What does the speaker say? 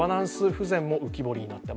不全も浮き彫りになった。